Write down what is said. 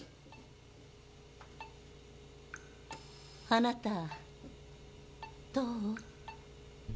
あなたどう？